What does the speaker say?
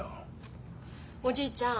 おじいちゃん。